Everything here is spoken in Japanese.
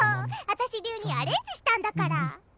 私流にアレンジしたんだから。